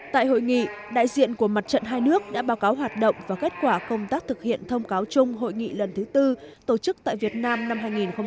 tại hội nghị đại diện của mặt trận hai nước đã báo cáo hoạt động và kết quả công tác thực hiện thông cáo chung hội nghị lần thứ tư tổ chức tại việt nam năm hai nghìn một mươi chín